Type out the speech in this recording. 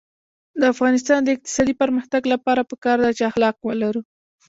د افغانستان د اقتصادي پرمختګ لپاره پکار ده چې اخلاق ولرو.